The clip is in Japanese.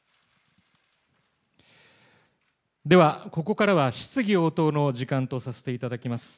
では、ここからは質疑応答の時間とさせていただきます。